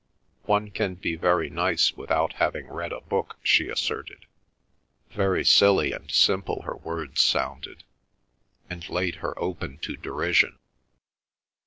"One can be very nice without having read a book," she asserted. Very silly and simple her words sounded, and laid her open to derision.